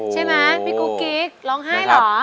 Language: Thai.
ใช่ไหมพี่กุ๊กกิ๊กร้องไห้เหรอ